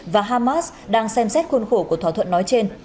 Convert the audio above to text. và hamas đang xem xét khuôn khổ của thỏa thuận nói trên